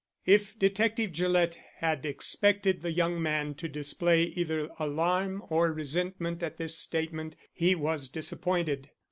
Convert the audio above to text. If Detective Gillett had expected the young man to display either alarm or resentment at this statement he was disappointed.